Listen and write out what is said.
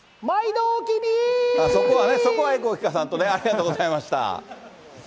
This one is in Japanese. まいどー、そこはね、そこはエコー利かさんとね、ありがとうございました。